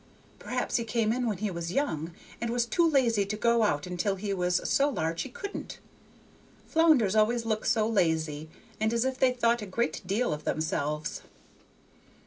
Perhaps he came in when he was young, and was too lazy to go out until he was so large he couldn't. Flounders always look so lazy, and as if they thought a great deal of themselves."